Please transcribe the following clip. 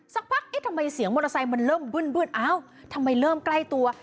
สักพักเอ๊ะทำไมเสียงมอเตอร์ไซค์มันเริ่มบึ้นอ้าวทำไมเริ่มใกล้ตัว